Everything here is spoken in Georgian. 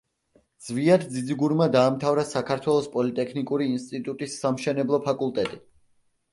ზვიად ძიძიგურმა დაამთავრა საქართველოს პოლიტექნიკური ინსტიტუტის სამშენებლო ფაკულტეტი.